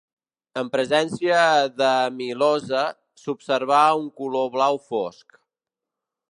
En presència d'amilosa, s'observarà un color blau fosc.